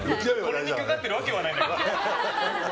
これにかかってるわけはない。